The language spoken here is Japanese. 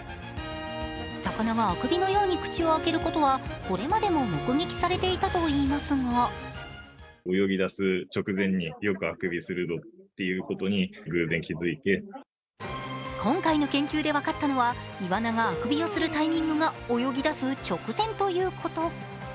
魚があくびのように口を開けることはこれまでも目撃されていたといいますが今回の研究で分かったのはいわながあくびをするタイミングが泳ぎ出す直前ということ。